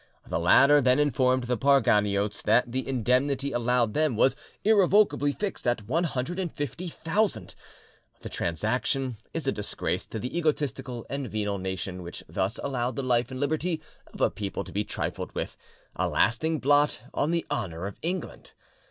The latter then informed the Parganiotes that the indemnity allowed them was irrevocably fixed at 150,000! The transaction is a disgrace to the egotistical and venal nation which thus allowed the life and liberty of a people to be trifled with, a lasting blot on the honour of England!